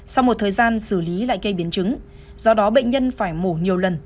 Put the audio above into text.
sau một thời gian xử lý lại cây biến chứng do đó bệnh nhân phải mổ nhiều lần